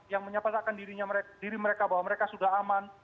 yang menyapa sapa diri mereka bahwa mereka sudah aman